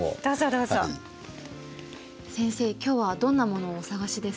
今日はどんなものをお探しですか？